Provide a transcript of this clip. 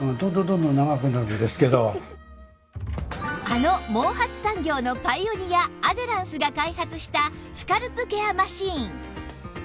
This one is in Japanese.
あの毛髪産業のパイオニアアデランスが開発したスカルプケアマシーン